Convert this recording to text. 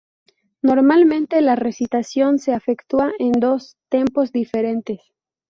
Normalmente la recitación se efectúa en dos "tempos" diferentes.